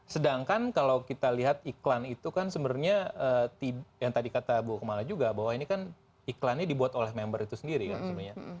sedangkan kalau kita lihat iklan itu kan sebenarnya yang tadi kata bu kemala juga bahwa ini kan iklannya dibuat oleh member itu sendiri kan sebenarnya